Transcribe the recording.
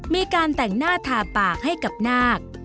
มีการแต่งหน้าทาปากให้กับนาค